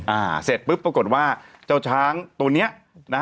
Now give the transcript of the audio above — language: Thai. อ่าเสร็จปุ๊บปรากฏว่าเจ้าช้างตัวเนี้ยนะฮะ